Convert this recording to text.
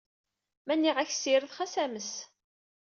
Ma nniɣ-ak ssired, xas ames.